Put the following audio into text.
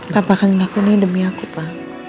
papa kan ngakunya demi aku pa